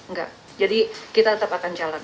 enggak jadi kita tetap akan jalan